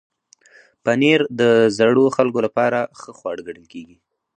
پنېر د زړو خلکو لپاره ښه خواړه ګڼل کېږي.